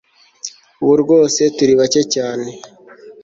ubu rwose turi bake cyane